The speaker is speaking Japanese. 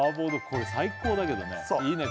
これ最高だけどねいいね